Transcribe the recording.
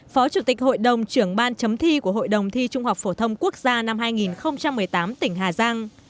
phó chủ tịch hội đồng trưởng ban chấm thi của hội đồng thi trung học phổ thông quốc gia năm hai nghìn một mươi tám tỉnh hà giang